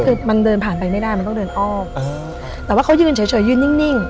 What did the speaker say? คือมันเดินผ่านไปไม่ได้มันต้องเดินอ้อมแต่ว่าเขายืนเฉยยืนนิ่ง